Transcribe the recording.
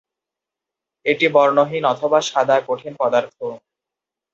এটি বর্ণহীন অথবা সাদা কঠিন পদার্থ।